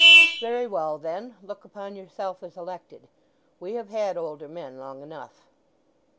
"Very well, then, look upon yourself as elected. We have had older men long enough."